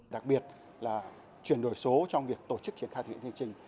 đặc biệt là chuyển đổi số trong việc tổ chức triển khai thực hiện chương trình